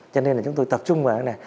cho nên là chúng tôi tập trung vào cái này